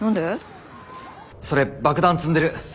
それ爆弾積んでる。